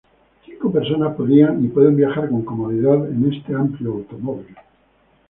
Cinco personas podían y pueden viajar con comodidad en este amplio automóvil.